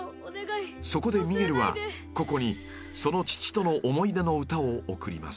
［そこでミゲルはココにその父との思い出の歌をおくります］